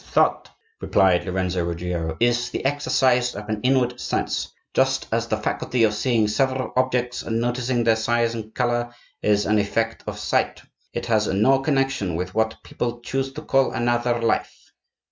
"Thought," replied Lorenzo Ruggiero, "is the exercise of an inward sense; just as the faculty of seeing several objects and noticing their size and color is an effect of sight. It has no connection with what people choose to call another life.